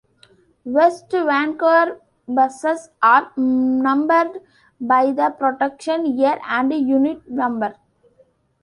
West Vancouver buses are numbered by the production year and unit number.